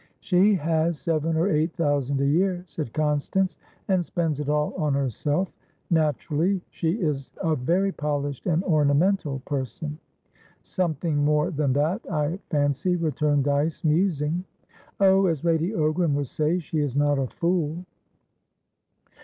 "She has seven or eight thousand a year," said Constance, "and spends it all on herself. Naturally, she is a very polished and ornamental person." "Something more than that, I fancy," returned Dyce, musing. "Oh, as Lady Ogram would say, she is not a fool."